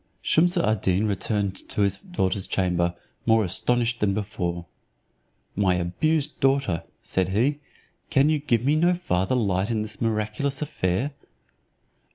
Shumse ad Deen returned to his daughter's chamber, more astonished than before. "My abused daughter," said he, "can you give me no farther light in this miraculous affair?"